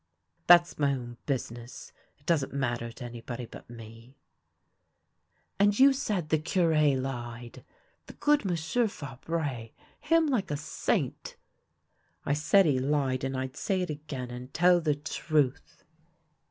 " That's my own business. It doesn't matter to any body but me." " And you said the Cure lied — the good M'sieu' Fabre — him like a saint." " I said he lied, and I'd say it again, and tell the truth."